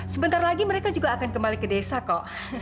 sebentar lagi mereka juga akan kembali ke desa kok